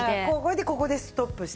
ここでストップして。